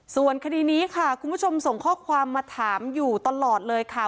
ส่วนคดีนี้ค่ะคุณผู้ชมส่งข้อความมาถามอยู่ตลอดเลยค่ะ